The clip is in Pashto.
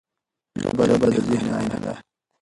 ژبه د ذهن آیینه ده.